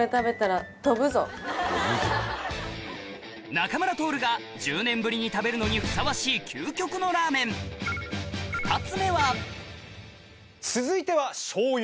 仲村トオルが１０年ぶりに食べるのにふさわしい究極のラーメン２つ目は続いてはしょうゆ